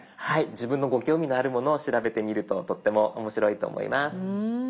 自分のご興味のあるものを調べてみるととっても面白いと思います。